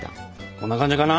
こんな感じかな？